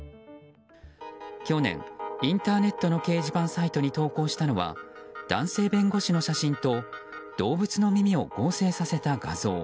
去年、インターネットの掲示板サイトに投稿したのは男性弁護士の写真と動物の耳を合成させた画像。